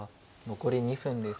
残り２分です。